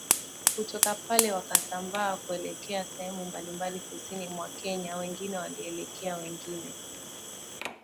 Kutoka pale wakasambaa kuelekea sehemu mbalimbali kusini mwa Kenya Wengine walielekea wengine